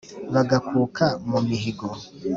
Bagakuka mu mihigo,